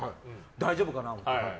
大丈夫かなって思って。